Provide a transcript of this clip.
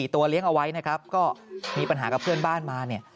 ๔ตัวเลี้ยงเอาไว้มีปัญหากับเพื่อนบ้านมา